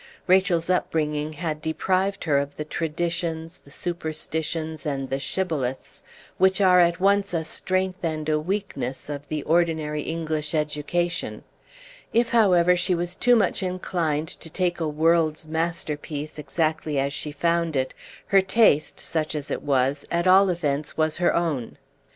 Rachel's upbringing had deprived her of the traditions, the superstitions, and the shibboleths which are at once a strength and a weakness of the ordinary English education; if, however, she was too much inclined to take a world's masterpiece exactly as she found it, her taste, such as it was, at all events was her own.